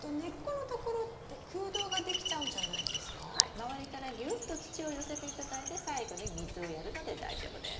周りからぎゅっと土を寄せて頂いて最後に水をやるので大丈夫です。